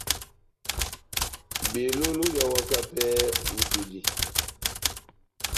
Belóló beháwaka pɛhɛ hú tɛ́h dí.